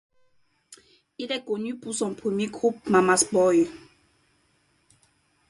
Il est connu pour son premier groupe, Mama's Boys.